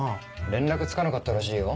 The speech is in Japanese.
連絡つかなかったらしいよ。